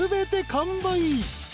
完売。